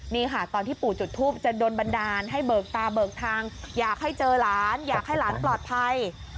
นี่ค่ะตอนที่ปู่จุดทูปจะโดนบันดาลให้เบิกตาเบิกทางอยากให้เจอหลานอยากให้หลานปลอดภัย